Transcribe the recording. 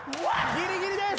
ギリギリです！